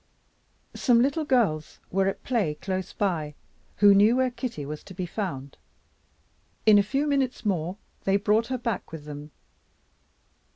Some little girls were at play close by who knew where Kitty was to be found. In a few minutes more they brought her back with them.